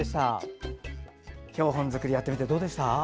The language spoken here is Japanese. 標本作り、やってみてどうでした？